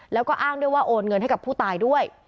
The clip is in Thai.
แล้วก็อ้างด้วยว่าโอนเงินให้กับผู้ตายด้วย